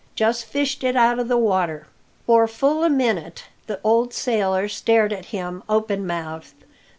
Just fished it out of the water." For full a minute the old sailor stared at him open mouthed.